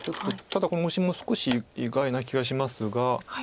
ただこのオシも少し意外な気がしますが。